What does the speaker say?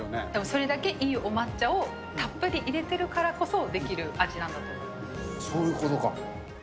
それだけいいお抹茶をたっぷり入れてるからこそできる味なのそういうことか。